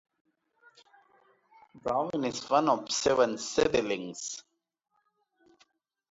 Brown is one of seven siblings.